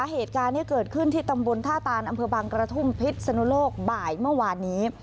เหตุการณ์นี้เกิดขึ้นที่ตำบลท่าตานอำเภอบางกระทุ่มพิษสนุโลกบ่ายเมื่อวานนี้